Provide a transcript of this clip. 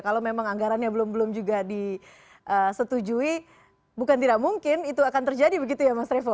kalau memang anggarannya belum belum juga disetujui bukan tidak mungkin itu akan terjadi begitu ya mas revo